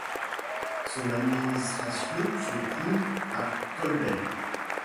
Son administration se trouve à Cold Bay.